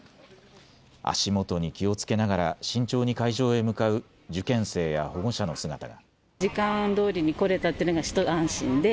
足元に気をつけながら慎重に会場へ向かう受験生や保護者の姿が。